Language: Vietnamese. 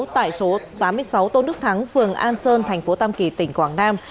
tại số tám mươi sáu tôn đức thắng phường an sơn thành phố tam kỳ tỉnh quảng nam